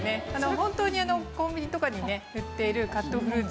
本当にコンビニとかに売っているカットフルーツ